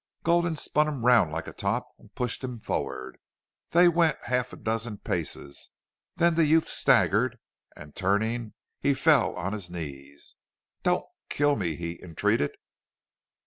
Gulden spun him round like a top and pushed him forward. They went half a dozen paces, then the youth staggered, and turning, he fell on his knees. "Don't kill me!" he entreated.